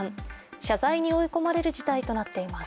謝罪に追い込まれる事態となっています。